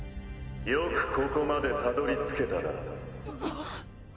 よくここまでたどりつけたな。